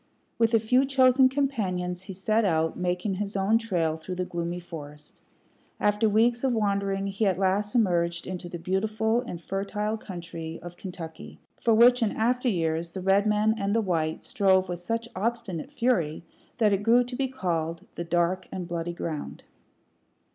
With a few chosen companions he set out, making his own trail through the gloomy forest. After weeks of wandering, he at last emerged into the beautiful and fertile country of Kentucky, for which, in after years, the red men and the white strove with such obstinate fury that it grew to be called "the dark and bloody ground."